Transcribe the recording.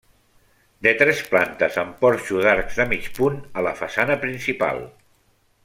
De tres plantes amb porxo d'arcs de mig punt a la façana principal.